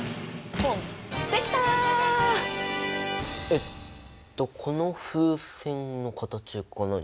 えっとこの風船の形が何？